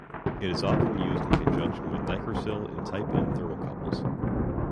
It is often used in conjunction with Nicrosil in type N thermocouples.